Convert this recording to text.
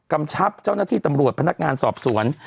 กำชับเจ้าหน้าที่ตำรวจพนักงานสอบสวน